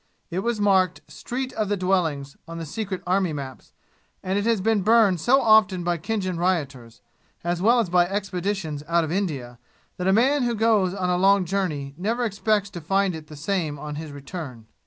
It is marked "Street of the Dwellings" on the secret army maps, and it has been burned so often by Khinjan rioters, as well as by expeditions out of India, that a man who goes on a long journey never expects to find it the same on his return.